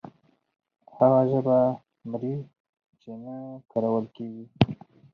هغه ژبه مري چې نه کارول کیږي.